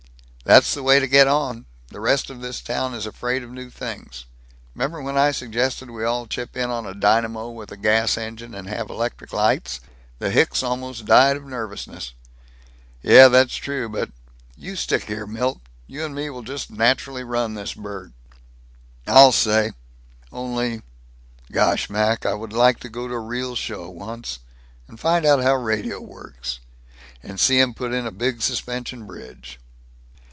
"That's the way to get on. The rest of this town is afraid of new things. 'Member when I suggested we all chip in on a dynamo with a gas engine and have electric lights? The hicks almost died of nervousness." "Yuh, that's true, but You stick here, Milt. You and me will just nachly run this burg." "I'll say! Only Gosh, Mac, I would like to go to a real show, once. And find out how radio works. And see 'em put in a big suspension bridge!"